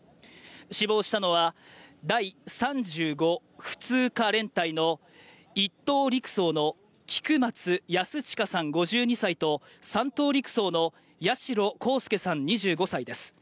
死亡したのは第３５普通科連隊の１等陸曹の菊松安親さん５２歳と、３等陸曹の八代航佑さん２５歳です。